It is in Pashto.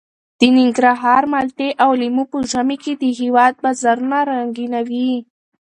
د ننګرهار مالټې او لیمو په ژمي کې د هېواد بازارونه رنګینوي.